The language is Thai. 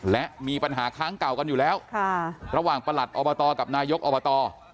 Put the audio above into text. และมีปัญหาครั้งเก่ากันอยู่แล้วระหว่างประหลัดอบตกับนายกอบต